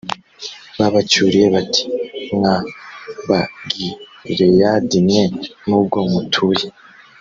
babacyuriye bati mwa bagileyadi mwe nubwo mutuye